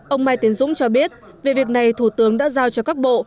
ông mai tiến dũng cho biết về việc này thủ tướng đã giao cho các bộ